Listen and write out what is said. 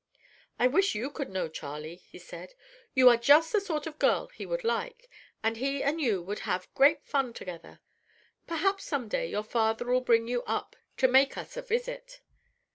"I wish you could know Charley," he said; "you are just the sort of girl he would like, and he and you would have great fun together. Perhaps some day your father'll bring you up to make us a visit."